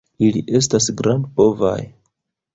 Ili estas grandpovaj.